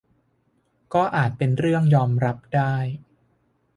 ก็อาจเป็นเรื่องยอมรับได้